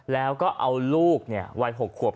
แล้วก็เอาลูกเนี่ยวัย๖ขวบ